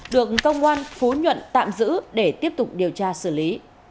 được công an phú nhuận tạm giữ để tiếp tục điều tra xử lý